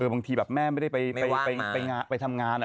เออบางทีแบบแม่ไม่ได้ไปไม่ว่างมาไปไปทำงานอ่ะ